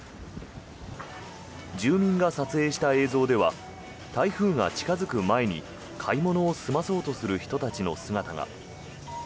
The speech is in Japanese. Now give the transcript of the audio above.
住民が撮影した映像では台風が近付く前に買い物を済まそうとする人たちの姿が。